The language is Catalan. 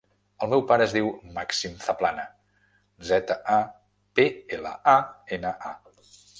El meu pare es diu Màxim Zaplana: zeta, a, pe, ela, a, ena, a.